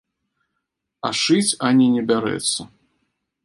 А шыць ані не бярэцца.